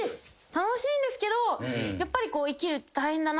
楽しいんですけどやっぱり。